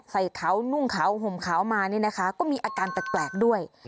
ใส่ขาวนุ่งขาวห่มขาวมาก็มีอาการแตกแปลกด้วย